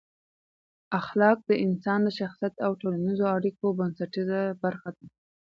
اخلاق د انسان د شخصیت او ټولنیزو اړیکو بنسټیزه برخه ده.